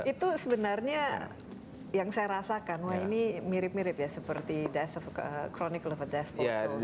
itu sebenarnya yang saya rasakan wah ini mirip mirip ya seperti chronicle of death foretold